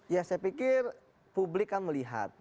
ya saya pikir publik kan melihat